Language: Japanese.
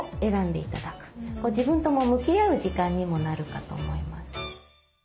ご自分とも向き合う時間にもなるかと思います。